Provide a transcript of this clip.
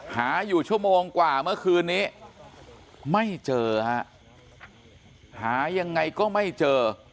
หาอยู่ชั่วโมงกว่าเมื่อคืนนี้ไม่เจอฮะหายังไงก็ไม่เจอ